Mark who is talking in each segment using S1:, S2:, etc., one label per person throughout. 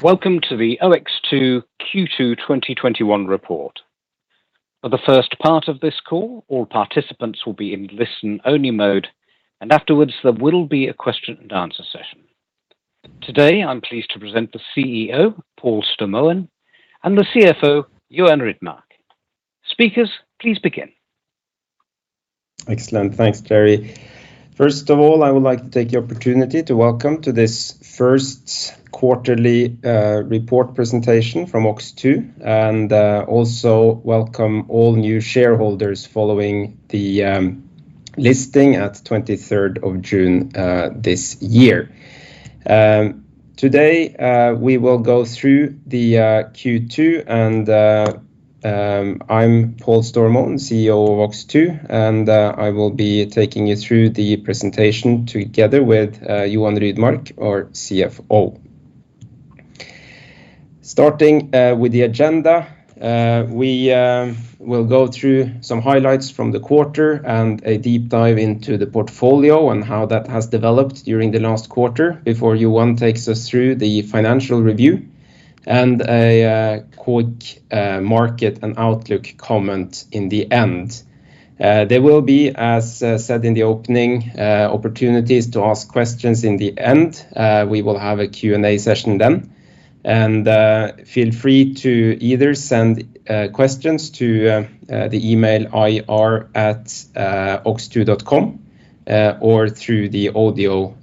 S1: Welcome to the OX2 Q2 2021 report. For the first part of this call, all participants will be in listen-only mode, and afterwards, there will be a question and answer session. Today, I'm pleased to present the CEO, Paul Stormoen, and the CFO, Johan Rydmark. Speakers, please begin.
S2: Excellent. Thanks, Terry. First of all, I would like to take the opportunity to welcome to this first quarterly report presentation from OX2, and also welcome all new shareholders following the listing at 23rd of June this year. Today, we will go through the Q2. I'm Paul Stormoen, CEO of OX2, and I will be taking you through the presentation together with Johan Rydmark, our CFO. Starting with the agenda. We will go through some highlights from the quarter and a deep dive into the portfolio and how that has developed during the last quarter before Johan takes us through the financial review. A quick market and outlook comment in the end. There will be, as said in the opening, opportunities to ask questions in the end. We will have a Q&A session then. Feel free to either send questions to the email ir@ox2.com or through the audio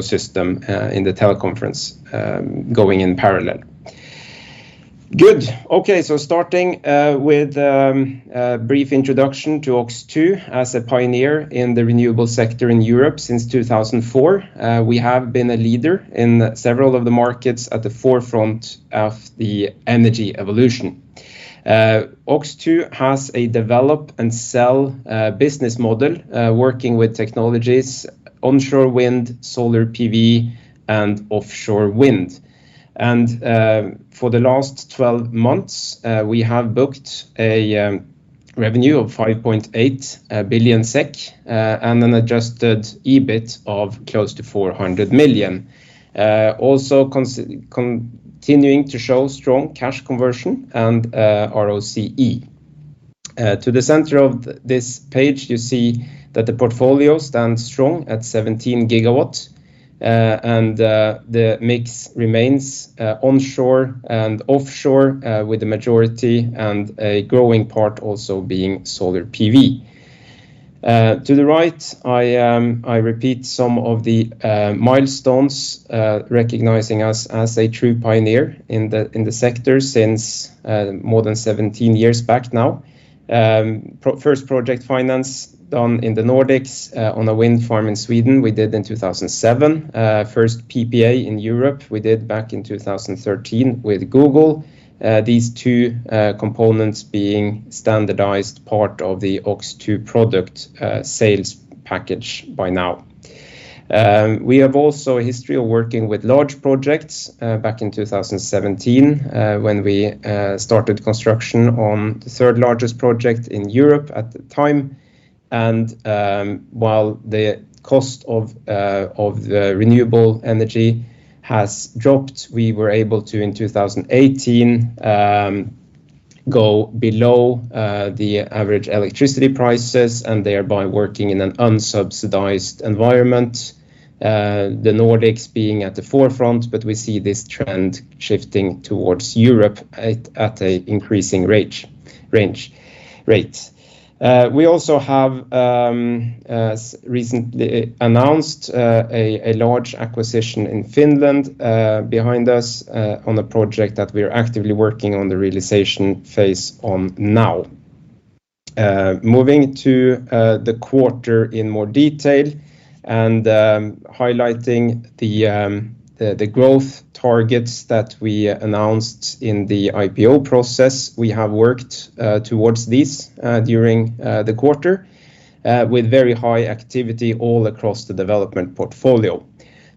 S2: system in the teleconference going in parallel. Good. Okay. Starting with a brief introduction to OX2. As a pioneer in the renewable sector in Europe since 2004, we have been a leader in several of the markets at the forefront of the energy evolution. OX2 has a develop and sell business model, working with technologies onshore wind, solar PV, and offshore wind. For the last 12 months, we have booked a revenue of 5.8 billion SEK, and an adjusted EBIT of close to 400 million SEK. Also continuing to show strong cash conversion and ROCE. To the center of this page, you see that the portfolio stands strong at 17 GW. The mix remains onshore and offshore with the majority, and a growing part also being solar PV. To the right, I repeat some of the milestones, recognizing us as a true pioneer in the sector since more than 17 years back now. First project finance done in the Nordics on a wind farm in Sweden, we did in 2007. First PPA in Europe, we did back in 2013 with Google. These two components being a standardized part of the OX2 product sales package by now. We have also a history of working with large projects. Back in 2017, when we started construction on the third largest project in Europe at the time. While the cost of the renewable energy has dropped, we were able to, in 2018, go below the average electricity prices, and thereby working in an unsubsidized environment. The Nordics being at the forefront, but we see this trend shifting towards Europe at an increasing rate. We also have recently announced a large acquisition in Finland behind us on a project that we are actively working on the realization phase on now. Moving to the quarter in more detail and highlighting the growth targets that we announced in the IPO process. We have worked towards this during the quarter with very high activity all across the development portfolio.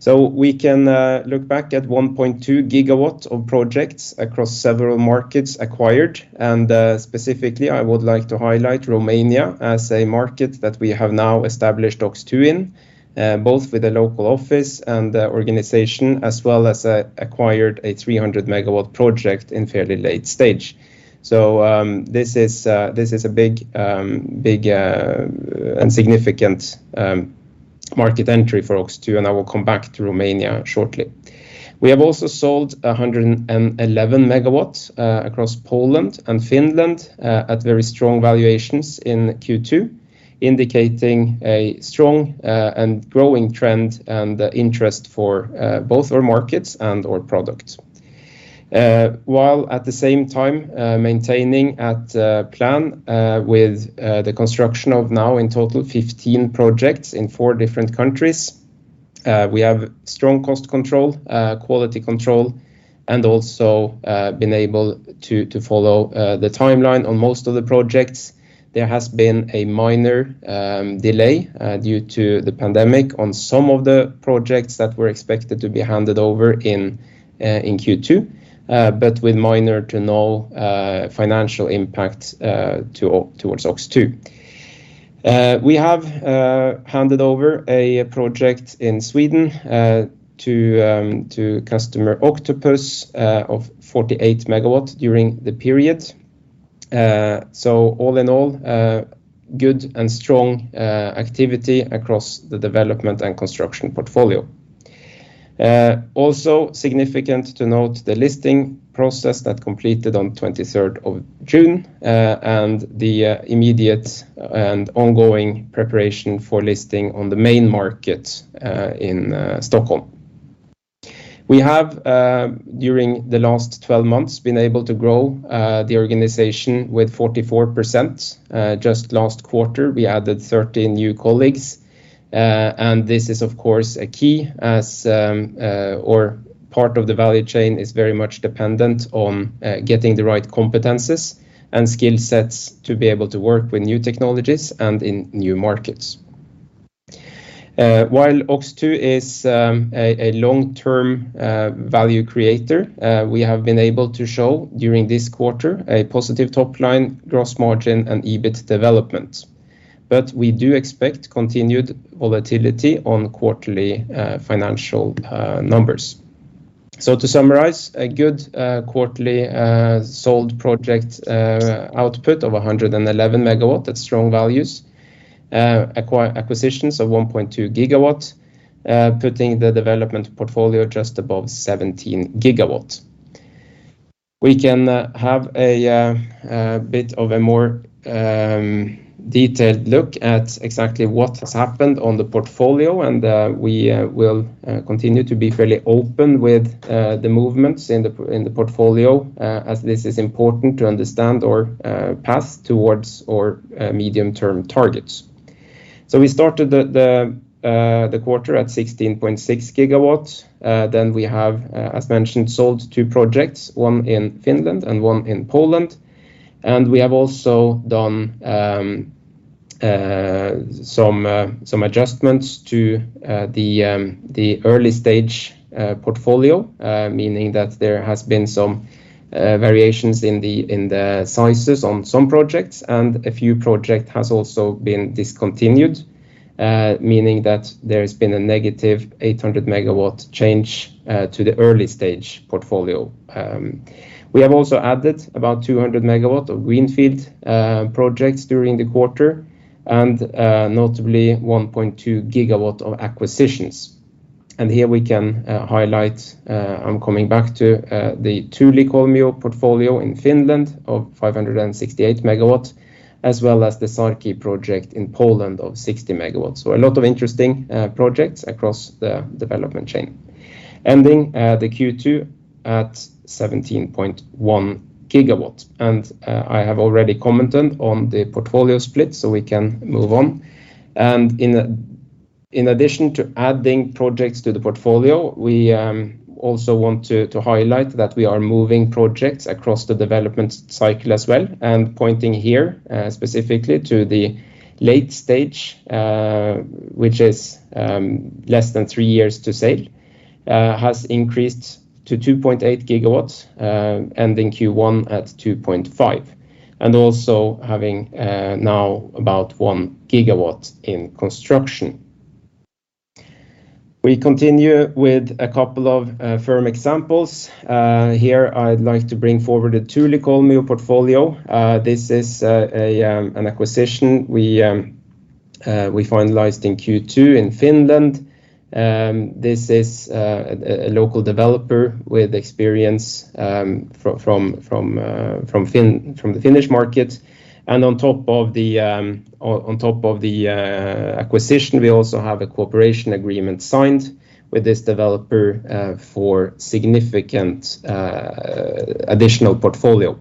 S2: We can look back at 1.2 GW of projects across several markets acquired. Specifically, I would like to highlight Romania as a market that we have now established OX2 in, both with a local office and the organization, as well as acquired a 300 MW project in fairly late stage. This is a big and significant market entry for OX2, and I will come back to Romania shortly. We have also sold 111 MW across Poland and Finland at very strong valuations in Q2, indicating a strong and growing trend and interest for both our markets and our product. While at the same time, maintaining at plan with the construction of now in total 15 projects in four different countries. We have strong cost control, quality control, and also been able to follow the timeline on most of the projects. There has been a minor delay due to the pandemic on some of the projects that were expected to be handed over in Q2, but with minor to no financial impact towards OX2. We have handed over a project in Sweden to customer Octopus of 48 MW during the period. All in all, good and strong activity across the development and construction portfolio. Also significant to note the listing process that completed on 23rd of June, and the immediate and ongoing preparation for listing on the main market in Stockholm. We have, during the last 12 months, been able to grow the organization with 44%. Just last quarter, we added 13 new colleagues. This is, of course, a key as, or part of the value chain is very much dependent on getting the right competencies and skill sets to be able to work with new technologies and in new markets. While OX2 is a long-term value creator, we have been able to show, during this quarter, a positive top-line gross margin and EBIT development. We do expect continued volatility on quarterly financial numbers. To summarize, a good quarterly sold project output of 111 MW at strong values. Acquisitions of 1.2 GW, putting the development portfolio just above 17 GW. We can have a bit of a more detailed look at exactly what has happened on the portfolio, and we will continue to be fairly open with the movements in the portfolio, as this is important to understand our path towards our medium-term targets. We started the quarter at 16.6 GW. We have, as mentioned, sold two projects, one in Finland and one in Poland. We have also done some adjustments to the early-stage portfolio, meaning that there has been some variations in the sizes on some projects, and a few project has also been discontinued, meaning that there's been a negative 800 MW change to the early-stage portfolio. We have also added about 200 MW of greenfield projects during the quarter, and notably 1.2 GW of acquisitions. Here we can highlight, I'm coming back to the Tuulipuisto portfolio in Finland of 568 MW, as well as the Żary project in Poland of 60 MW. A lot of interesting projects across the development chain. Ending the Q2 at 17.1 GW. I have already commented on the portfolio split, we can move on. In addition to adding projects to the portfolio, we also want to highlight that we are moving projects across the development cycle as well, pointing here specifically to the late stage, which is less than three years to sale, has increased to 2.8 GW, ending Q1 at 2.5 GW. Also having now about 1 GW in construction. We continue with a couple of firm examples. Here I'd like to bring forward the Tuulipuisto portfolio. This is an acquisition we finalized in Q2 in Finland. This is a local developer with experience from the Finnish market. On top of the acquisition, we also have a cooperation agreement signed with this developer, for significant additional portfolio.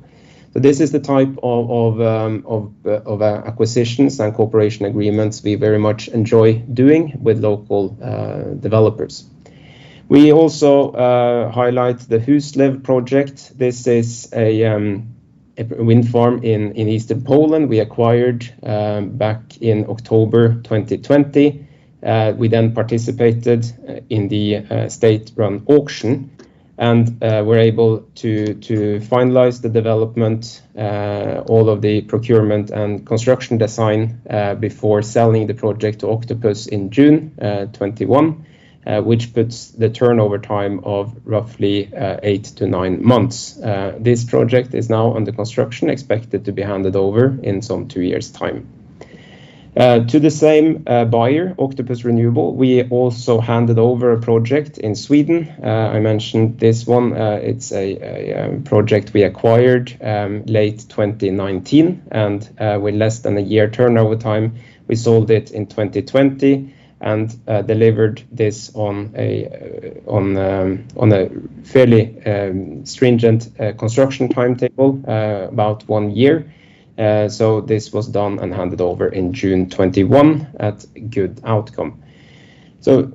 S2: This is the type of acquisitions and cooperation agreements we very much enjoy doing with local developers. We also highlight the Huszlew project. This is a wind farm in eastern Poland we acquired back in October 2020. We then participated in the state-run auction and were able to finalize the development, all of the procurement and construction design, before selling the project to Octopus in June 2021, which puts the turnover time of roughly eight to nine months. This project is now under construction, expected to be handed over in some two years' time. To the same buyer, Octopus Renewables, we also handed over a project in Sweden. I mentioned this one. It's a project we acquired late 2019, and with less than a year turnover time, we sold it in 2020 and delivered this on a fairly stringent construction timetable, about one year. This was done and handed over in June 2021, at good outcome.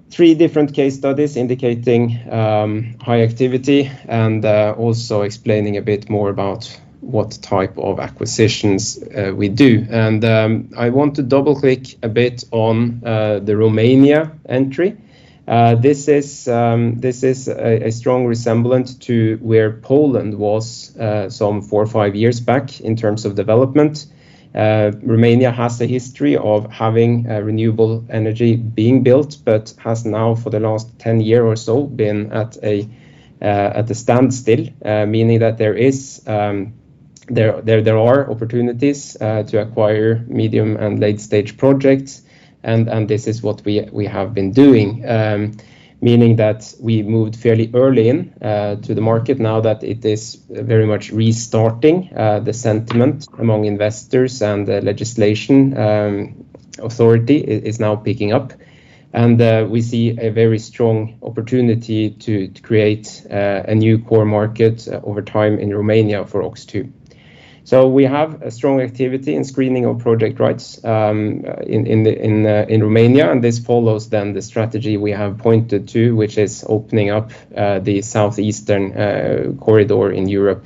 S2: Three different case studies indicating high activity and also explaining a bit more about what type of acquisitions we do. I want to double-click a bit on the Romania entry. This is a strong resemblance to where Poland was some four or five years back in terms of development. Romania has a history of having renewable energy being built, but has now for the last 10 years or so been at a standstill, meaning that there are opportunities to acquire medium and late-stage projects, and this is what we have been doing. We moved fairly early into the market now that it is very much restarting the sentiment among investors and the legislation authority is now picking up. We see a very strong opportunity to create a new core market over time in Romania for OX2. We have a strong activity in screening of project rights in Romania. This follows the strategy we have pointed to, which is opening up the southeastern corridor in Europe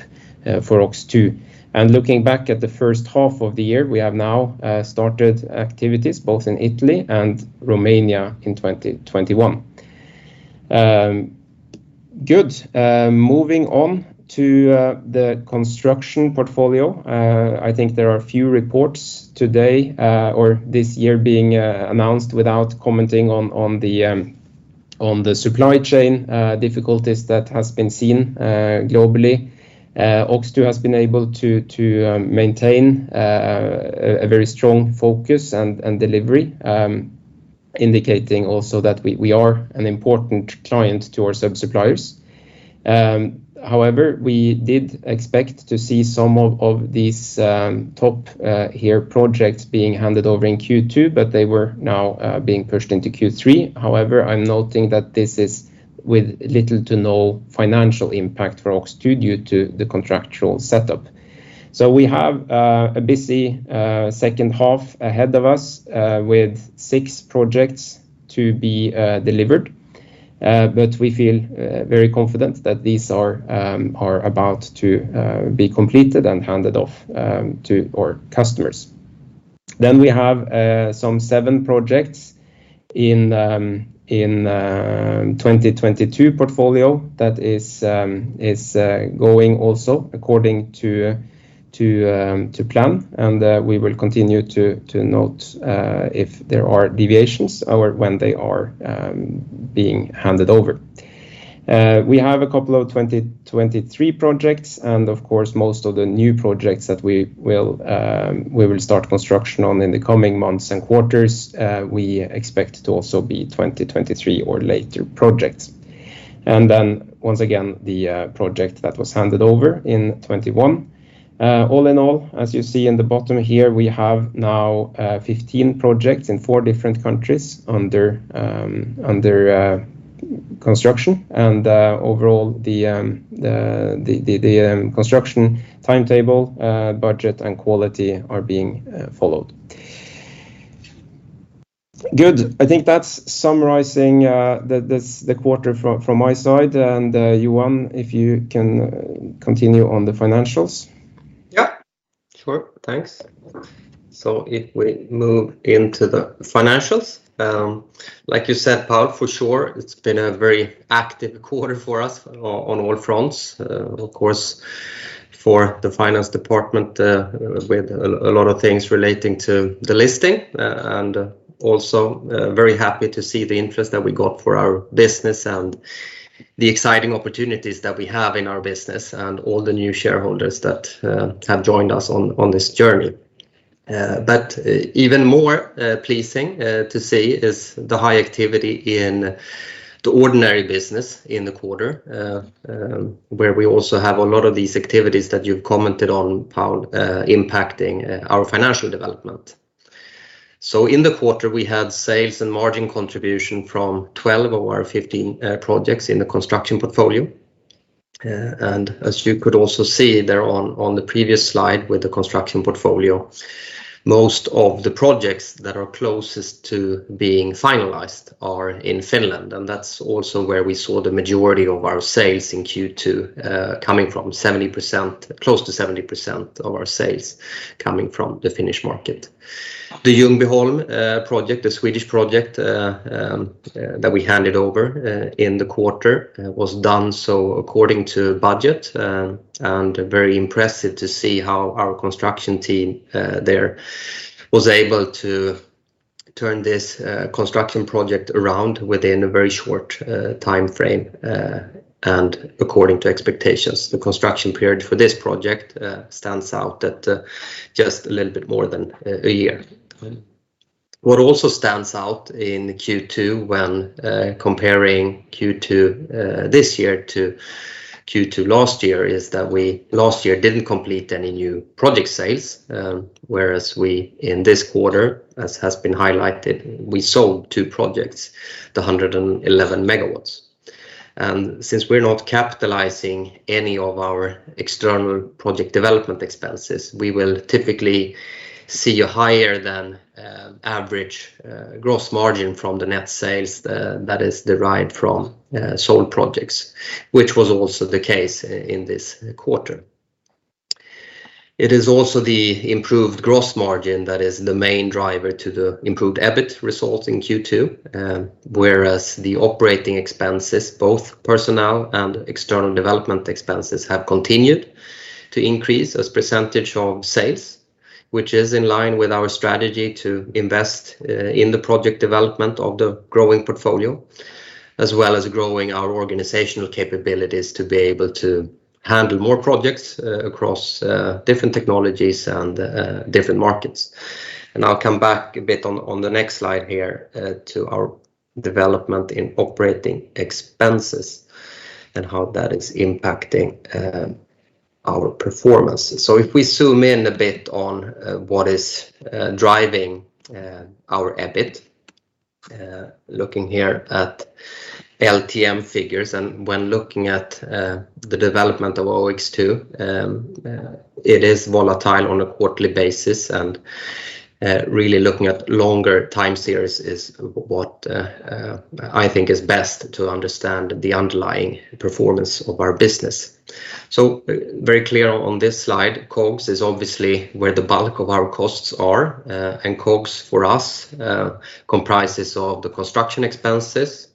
S2: for OX2. Looking back at the first half of the year, we have now started activities both in Italy and Romania in 2021. Good. Moving on to the construction portfolio. I think there are a few reports today or this year being announced without commenting on the supply chain difficulties that has been seen globally. OX2 has been able to maintain a very strong focus and delivery, indicating also that we are an important client to our sub-suppliers. We did expect to see some of these top projects being handed over in Q2, but they were now being pushed into Q3. I'm noting that this is with little to no financial impact for OX2 due to the contractual setup. We have a busy second half ahead of us with six projects to be delivered. We feel very confident that these are about to be completed and handed off to our customers. We have some seven projects in 2022 portfolio that is going also according to plan, and we will continue to note if there are deviations or when they are being handed over. We have a couple of 2023 projects, and of course, most of the new projects that we will start construction on in the coming months and quarters, we expect to also be 2023 or later projects. Then once again, the project that was handed over in 2021. All in all, as you see in the bottom here, we have now 15 projects in four different countries under construction. Overall, the construction timetable, budget, and quality are being followed. Good. I think that's summarizing the quarter from my side. Johan, if you can continue on the financials.
S3: Yeah.
S2: Sure. Thanks.
S3: If we move into the financials. Like you said, Paul, for sure, it's been a very active quarter for us on all fronts. Of course, for the finance department, with a lot of things relating to the listing and also very happy to see the interest that we got for our business and the exciting opportunities that we have in our business and all the new shareholders that have joined us on this journey. Even more pleasing to see is the high activity in the ordinary business in the quarter, where we also have a lot of these activities that you've commented on, Paul, impacting our financial development. In the quarter, we had sales and margin contribution from 12 of our 15 projects in the construction portfolio. As you could also see there on the previous slide with the construction portfolio, most of the projects that are closest to being finalized are in Finland, and that's also where we saw the majority of our sales in Q2, close to 70% of our sales coming from the Finnish market. The Ljungbyholm project, the Swedish project that we handed over in the quarter, was done so according to budget, and very impressive to see how our construction team there was able to turn this construction project around within a very short timeframe and according to expectations. The construction period for this project stands out at just a little bit more than a year. What also stands out in Q2 when comparing Q2 this year to Q2 last year is that we last year didn't complete any new project sales, whereas we, in this quarter, as has been highlighted, we sold two projects, the 111 MW. Since we're not capitalizing any of our external project development expenses, we will typically see a higher than average gross margin from the net sales that is derived from sold projects, which was also the case in this quarter. It is also the improved gross margin that is the main driver to the improved EBIT result in Q2, whereas the operating expenses, both personnel and external development expenses, have continued to increase as percentage of sales, which is in line with our strategy to invest in the project development of the growing portfolio. As well as growing our organizational capabilities to be able to handle more projects across different technologies and different markets. I'll come back a bit on the next slide here to our development in operating expenses and how that is impacting our performance. If we zoom in a bit on what is driving our EBIT, looking here at LTM figures and when looking at the development of OX2, it is volatile on a quarterly basis and really looking at longer time series is what I think is best to understand the underlying performance of our business. Very clear on this slide, COGS is obviously where the bulk of our costs are. COGS for us comprises of the construction expenses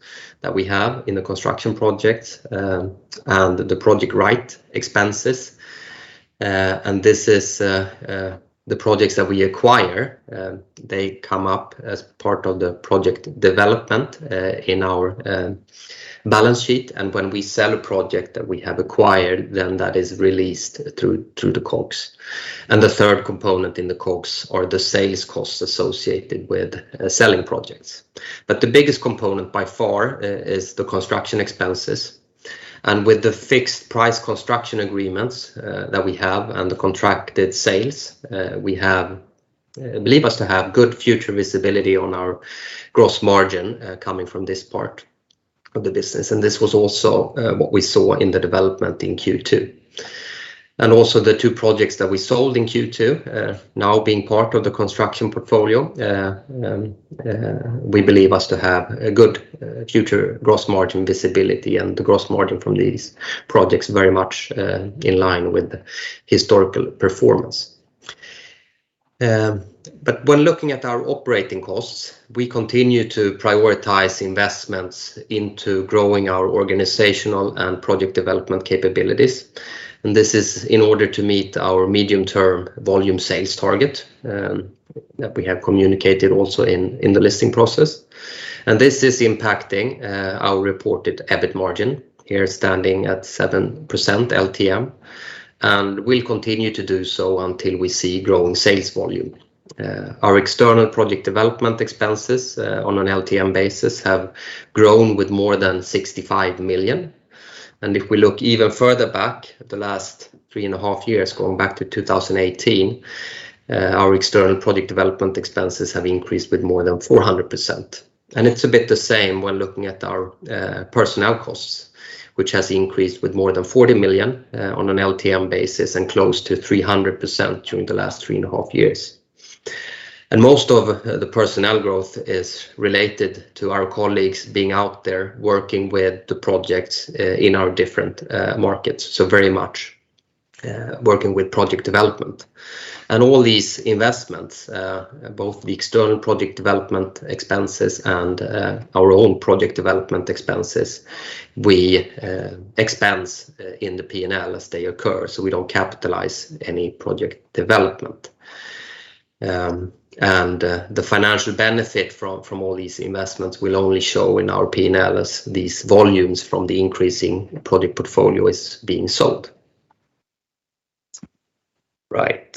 S3: that we have in the construction projects and the project right expenses. This is the projects that we acquire. They come up as part of the project development in our balance sheet. When we sell a project that we have acquired, then that is released through the COGS. The third component in the COGS are the sales costs associated with selling projects. The biggest component by far is the construction expenses. With the fixed price construction agreements that we have and the contracted sales we have, believe us to have good future visibility on our gross margin coming from this part of the business. This was also what we saw in the development in Q2. Also the two projects that we sold in Q2 now being part of the construction portfolio, we believe us to have a good future gross margin visibility and the gross margin from these projects very much in line with historical performance. When looking at our operating costs, we continue to prioritize investments into growing our organizational and project development capabilities. This is in order to meet our medium-term volume sales target that we have communicated also in the listing process. This is impacting our reported EBIT margin here standing at 7% LTM. Will continue to do so until we see growing sales volume. Our external project development expenses on an LTM basis have grown with more than 65 million. If we look even further back at the last three and a half years, going back to 2018, our external project development expenses have increased with more than 400%. It's a bit the same when looking at our personnel costs, which has increased with more than 40 million on an LTM basis and close to 300% during the last three and a half years. Most of the personnel growth is related to our colleagues being out there working with the projects in our different markets. Very much working with project development. All these investments, both the external project development expenses and our own project development expenses, we expense in the P&L as they occur. We don't capitalize any project development. The financial benefit from all these investments will only show in our P&L as these volumes from the increasing project portfolio is being sold. Right.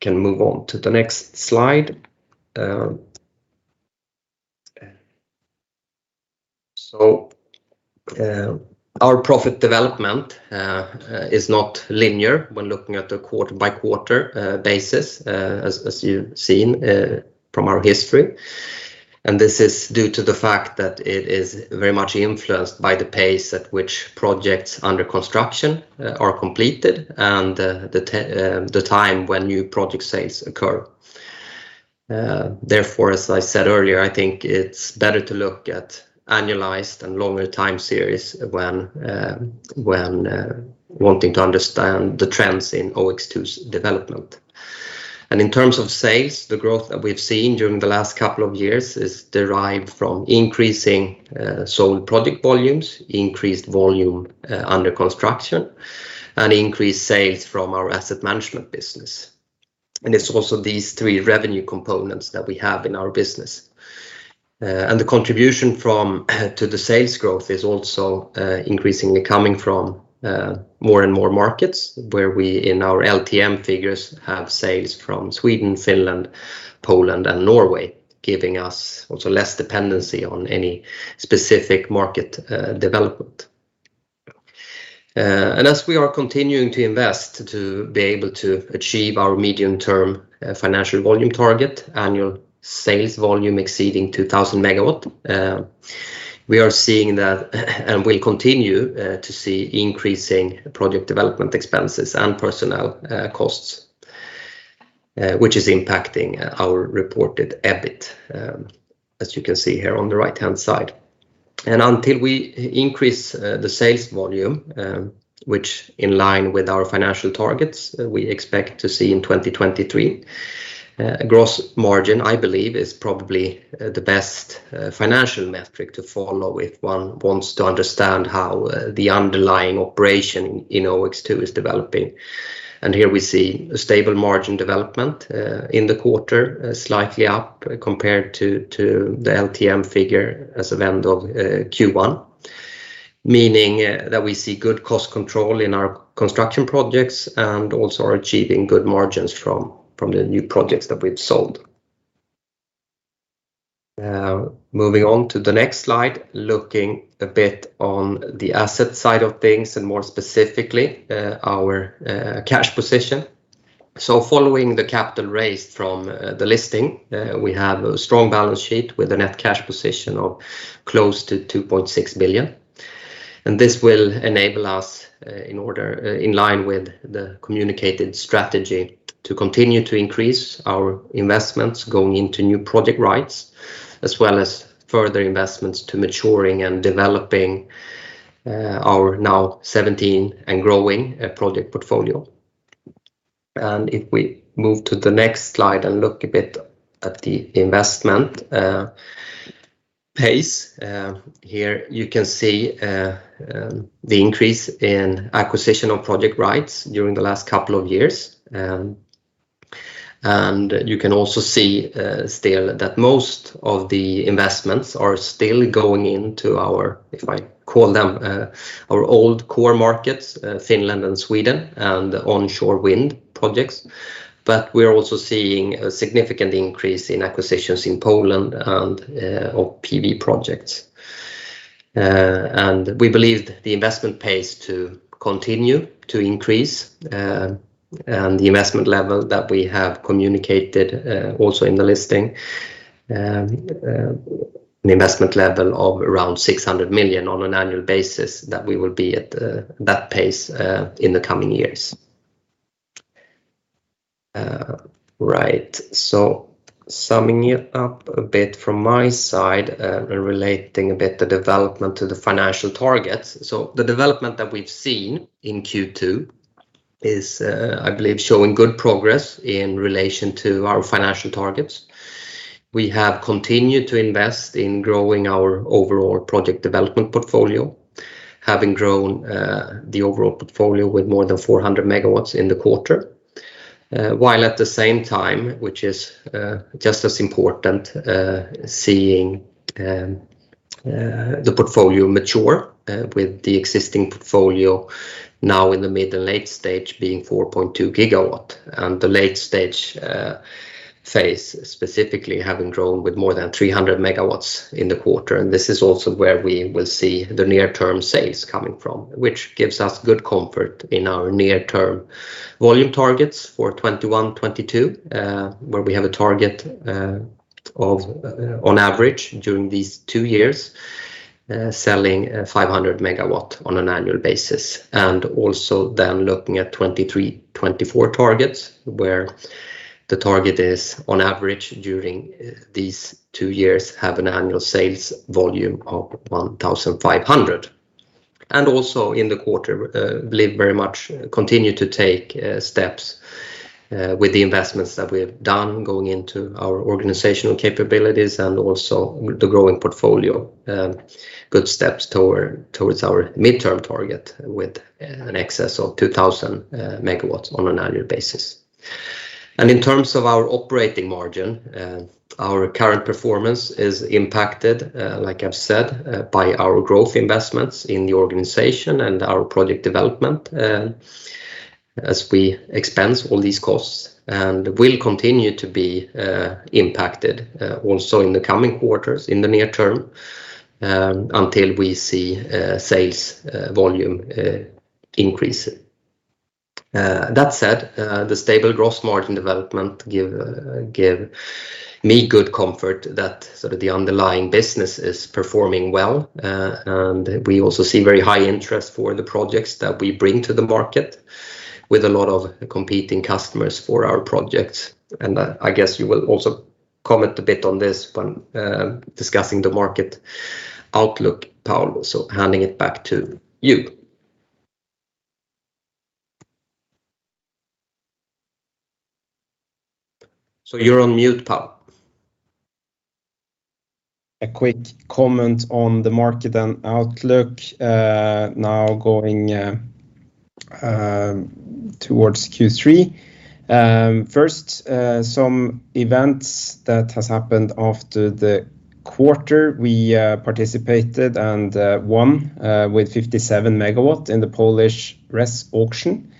S3: Can move on to the next slide. Our profit development is not linear when looking at a quarter-by-quarter basis, as you've seen from our history. This is due to the fact that it is very much influenced by the pace at which projects under construction are completed and the time when new project sales occur. Therefore, as I said earlier, I think it's better to look at annualized and longer time series when wanting to understand the trends in OX2's development. In terms of sales, the growth that we've seen during the last couple of years is derived from increasing sold project volumes, increased volume under construction, and increased sales from our asset management business. It's also these three revenue components that we have in our business. The contribution to the sales growth is also increasingly coming from more and more markets where we, in our LTM figures, have sales from Sweden, Finland, Poland, and Norway, giving us also less dependency on any specific market development. As we are continuing to invest to be able to achieve our medium-term financial volume target, annual sales volume exceeding 2,000 MW, we are seeing that and will continue to see increasing project development expenses and personnel costs, which is impacting our reported EBIT, as you can see here on the right-hand side. Until we increase the sales volume, which in line with our financial targets we expect to see in 2023, gross margin, I believe, is probably the best financial metric to follow if one wants to understand how the underlying operation in OX2 is developing. Here we see a stable margin development in the quarter, slightly up compared to the LTM figure as of end of Q1. Meaning that we see good cost control in our construction projects and also are achieving good margins from the new projects that we've sold. Moving on to the next slide, looking a bit on the asset side of things and more specifically, our cash position. Following the capital raised from the listing, we have a strong balance sheet with a net cash position of close to 2.6 billion. This will enable us, in line with the communicated strategy, to continue to increase our investments going into new project rights, as well as further investments to maturing and developing our now 17 and growing project portfolio. If we move to the next slide and look a bit at the investment pace. Here you can see the increase in acquisition of project rights during the last couple of years. You can also see that most of the investments are still going into our, if I call them, our old core markets, Finland and Sweden, and onshore wind projects. We're also seeing a significant increase in acquisitions in Poland and of PV projects. We believe the investment pace to continue to increase, and the investment level that we have communicated, also in the listing, an investment level of around 600 million on an annual basis, that we will be at that pace in the coming years. Right. Summing it up a bit from my side, relating a bit the development to the financial targets. The development that we've seen in Q2 is, I believe, showing good progress in relation to our financial targets. We have continued to invest in growing our overall project development portfolio, having grown the overall portfolio with more than 400 MW in the quarter. While at the same time, which is just as important, seeing the portfolio mature with the existing portfolio now in the mid and late stage being 4.2 GW, and the late-stage phase specifically having grown with more than 300 MW in the quarter. This is also where we will see the near-term sales coming from, which gives us good comfort in our near-term volume targets for 2021, 2022, where we have a target of, on average during these two years, selling 500 MW on an annual basis. Also then looking at 2023, 2024 targets, where the target is, on average, during these two years, have an annual sales volume of 1,500 MW. Also in the quarter, believe very much continue to take steps with the investments that we have done going into our organizational capabilities and also with the growing portfolio. Good steps towards our midterm target with an excess of 2,000 MW on an annual basis. In terms of our operating margin, our current performance is impacted, like I've said, by our growth investments in the organization and our project development, as we expense all these costs and will continue to be impacted also in the coming quarters in the near term, until we see sales volume increase. That said, the stable gross margin development give me good comfort that sort of the underlying business is performing well. We also see very high interest for the projects that we bring to the market, with a lot of competing customers for our projects. I guess you will also comment a bit on this when discussing the market outlook, Paul. Handing it back to you. You're on mute, Paul.
S2: A quick comment on the market and outlook, now going towards Q3. First, some events that has happened after the quarter. We participated and won with 57 MW in the Polish RES auction,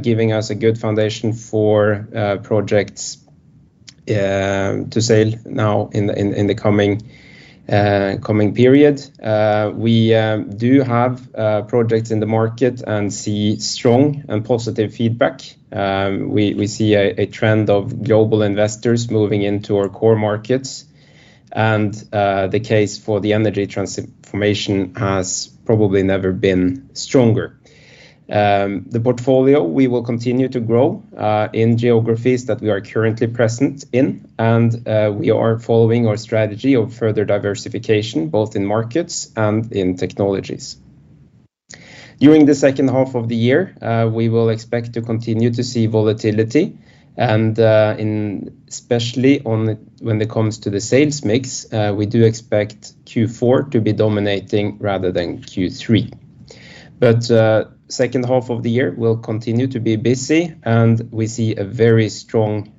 S2: giving us a good foundation for projects to sell now in the coming period. We do have projects in the market and see strong and positive feedback. We see a trend of global investors moving into our core markets. The case for the energy transformation has probably never been stronger. The portfolio, we will continue to grow in geographies that we are currently present in, and we are following our strategy of further diversification, both in markets and in technologies. During the second half of the year, we will expect to continue to see volatility, and especially when it comes to the sales mix, we do expect Q4 to be dominating rather than Q3. Second half of the year, we'll continue to be busy, and we see a very strong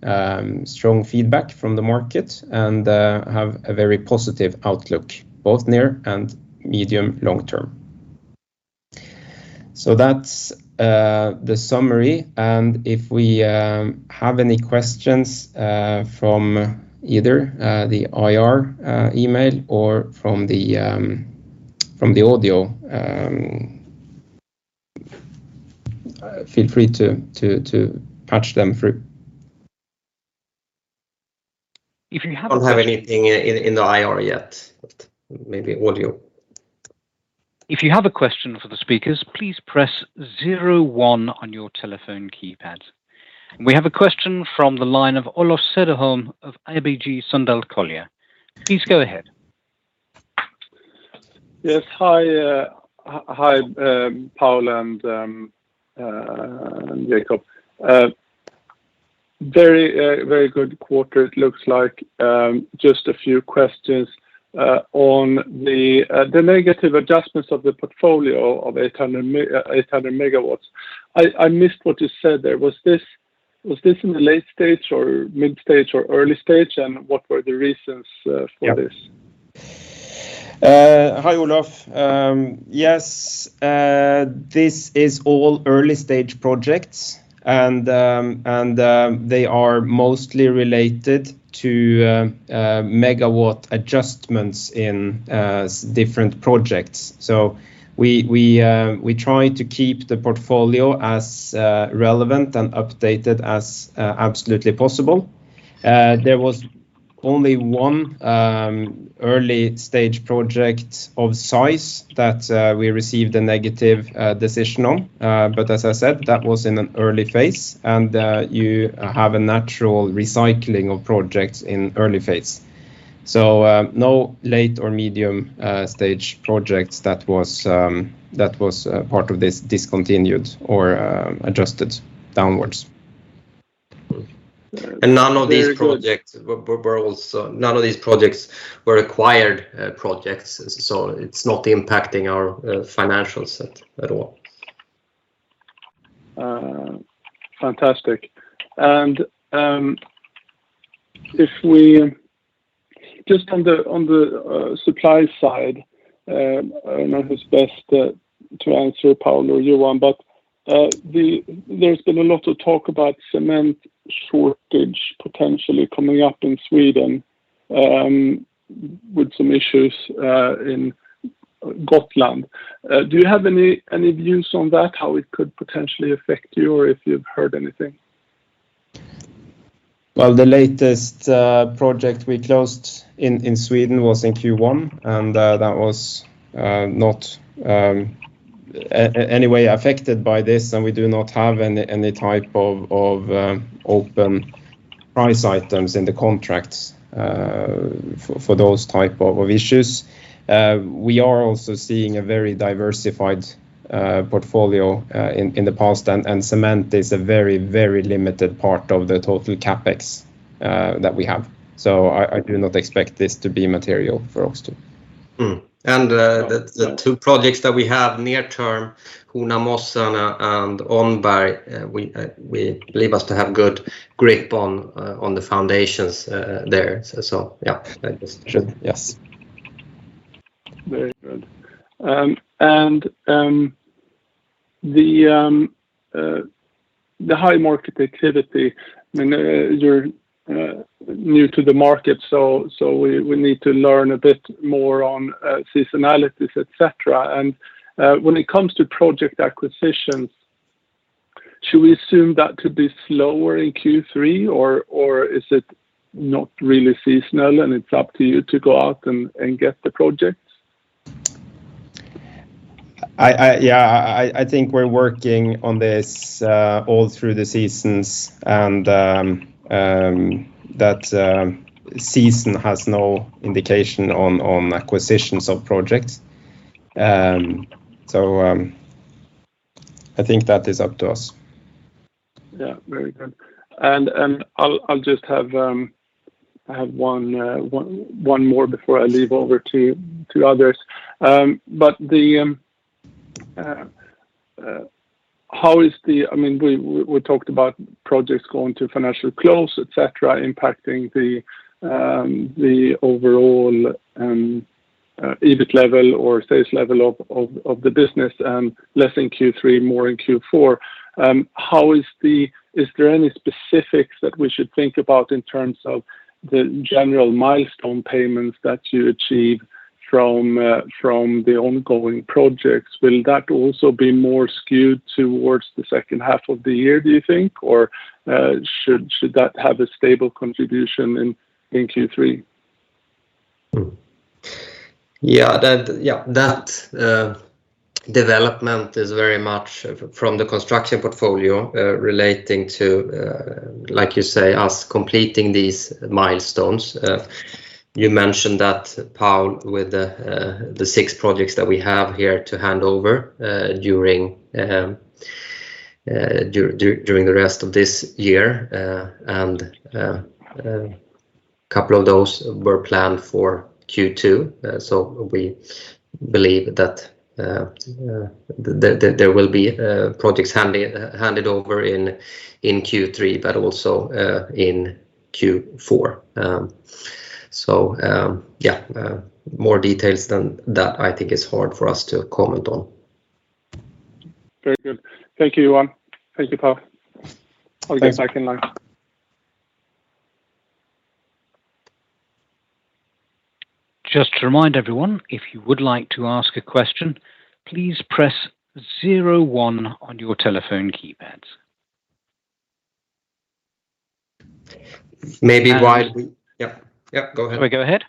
S2: feedback from the market and have a very positive outlook, both near and medium long-term. That's the summary, and if we have any questions from either the IR email or from the audio, feel free to patch them through.
S1: If you have-
S2: I don't have anything in the IR yet, but maybe audio.
S1: If you have a question for the speakers, please press 01 on your telephone keypad. We have a question from the line of Olof Cederholm of ABG Sundal Collier. Please go ahead.
S4: Yes. Hi, Paul and Johan. Very good quarter it looks like. Just a few questions on the negative adjustments of the portfolio of 800 MW. I missed what you said there. Was this in the late stage or mid-stage or early stage, and what were the reasons for this?
S2: Hi, Olof. Yes, this is all early-stage projects, and they are mostly related to megawatt adjustments in different projects. We try to keep the portfolio as relevant and updated as absolutely possible. There was only one early-stage project of size that we received a negative decision on. As I said, that was in an early phase, and you have a natural recycling of projects in early phase. No late or medium-stage projects that was part of this discontinued or adjusted downwards.
S4: Very good.
S3: None of these projects were acquired projects, so it's not impacting our financial set at all.
S4: Fantastic. Just on the supply side, I don't know who's best to answer, Paul or Johan, but there's been a lot of talk about cement shortage potentially coming up in Sweden, with some issues in Gotland. Do you have any views on that, how it could potentially affect you, or if you've heard anything?
S2: Well, the latest project we closed in Sweden was in Q1, and that was not in any way affected by this, and we do not have any type of open price items in the contracts for those type of issues. We are also seeing a very diversified portfolio in the past, and cement is a very limited part of the total CapEx that we have. I do not expect this to be material for us too.
S3: The two projects that we have near term, Hornamossen and Åneby, we believe us to have good grip on the foundations there. Yeah, yes.
S4: Very good. The high market activity, you're new to the market, so we need to learn a bit more on seasonality, et cetera. When it comes to project acquisitions, should we assume that to be slower in Q3, or is it not really seasonal, and it's up to you to go out and get the projects?
S2: Yeah, I think we're working on this all through the seasons, and that season has no indication on acquisitions of projects. I think that is up to us.
S4: Very good. I'll just have one more before I leave over to others. We talked about projects going to financial close, et cetera, impacting the overall EBIT level or sales level of the business, and less in Q3, more in Q4. Is there any specifics that we should think about in terms of the general milestone payments that you achieve from the ongoing projects? Will that also be more skewed towards the second half of the year, do you think, or should that have a stable contribution in Q3?
S3: Yeah, that development is very much from the construction portfolio, relating to, like you say, us completing these milestones. You mentioned that, Paul, with the six projects that we have here to hand over during the rest of this year, and a couple of those were planned for Q2. We believe that there will be projects handed over in Q3, but also in Q4. More details than that, I think is hard for us to comment on.
S4: Very good. Thank you, Johan. Thank you, Paul.
S3: Thanks.
S4: I'll get back in line.
S1: Just to remind everyone, if you would like to ask a question, please press zero one on your telephone keypads.
S3: Maybe while we-
S2: Yeah. Go ahead.
S3: Go ahead?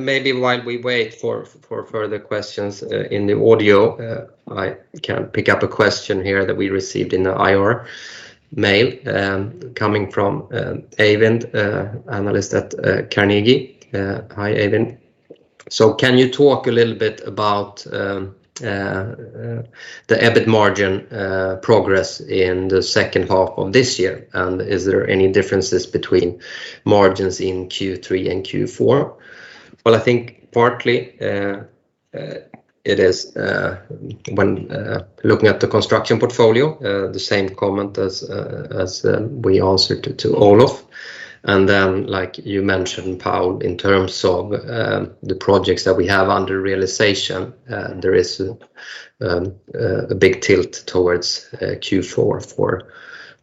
S3: Maybe while we wait for further questions in the audio, I can pick up a question here that we received in the IR mail, coming from Eivind, analyst at Carnegie. Hi, Eivind. Can you talk a little bit about the EBIT margin progress in the second half of this year? Is there any differences between margins in Q3 and Q4? Well, I think partly it is when looking at the construction portfolio, the same comment as we answered to Olof. Then, like you mentioned, Paul, in terms of the projects that we have under realization, there is a big tilt towards Q4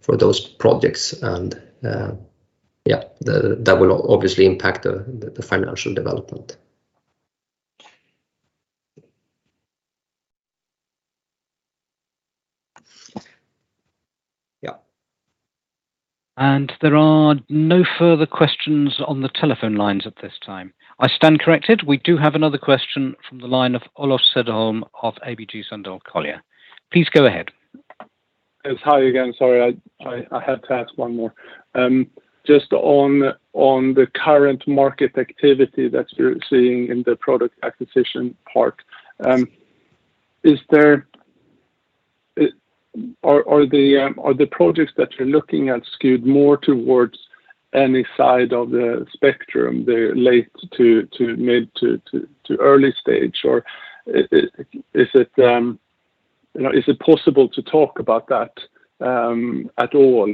S3: for those projects and that will obviously impact the financial development. Yeah.
S1: There are no further questions on the telephone lines at this time. I stand corrected. We do have another question from the line of Olof Cederholm of ABG Sundal Collier. Please go ahead.
S4: Yes. Hi again. Sorry, I had to ask one more. Just on the current market activity that you're seeing in the product acquisition part, are the projects that you're looking at skewed more towards any side of the spectrum, the late to mid to early stage, or is it possible to talk about that at all?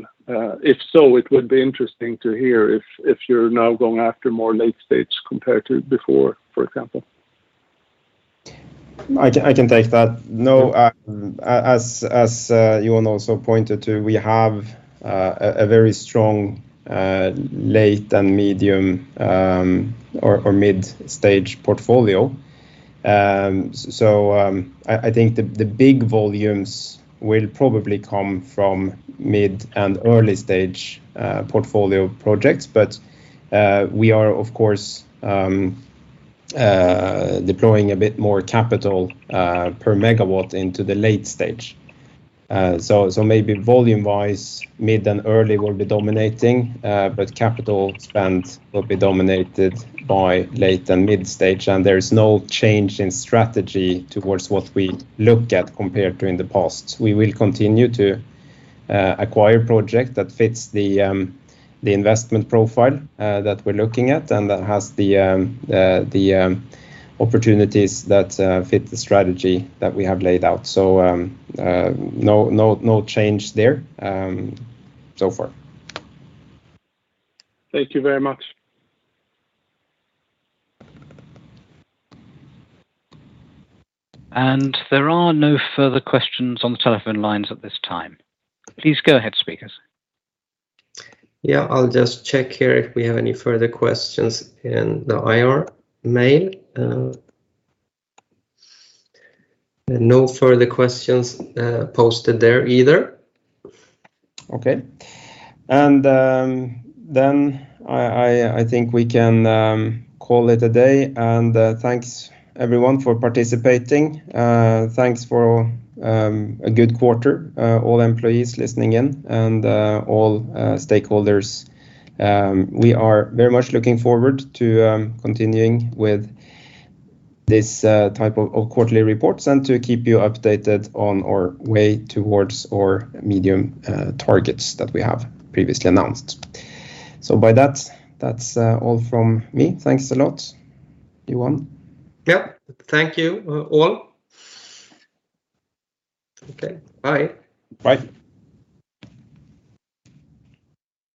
S4: If so, it would be interesting to hear if you're now going after more late stage compared to before, for example.
S2: I can take that. As Johan also pointed to, we have a very strong late and medium or mid-stage portfolio. I think the big volumes will probably come from mid- and early-stage portfolio projects. We are, of course, deploying a bit more capital per megawatt into the late stage. Maybe volume-wise, mid and early will be dominating, but capital spend will be dominated by late and mid-stage, and there is no change in strategy towards what we look at compared to in the past. We will continue to acquire project that fits the investment profile that we're looking at and that has the opportunities that fit the strategy that we have laid out. No change there so far.
S4: Thank you very much.
S1: There are no further questions on the telephone lines at this time. Please go ahead, speakers.
S2: Yeah, I'll just check here if we have any further questions in the IR mail. No further questions posted there either. Okay. I think we can call it a day. Thanks, everyone, for participating. Thanks for a good quarter, all employees listening in and all stakeholders. We are very much looking forward to continuing with this type of quarterly reports and to keep you updated on our way towards our medium targets that we have previously announced. By that's all from me. Thanks a lot. Johan?
S3: Yep. Thank you all. Okay, bye.
S2: Bye.